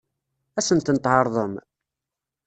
Ad sen-ten-tɛeṛḍem?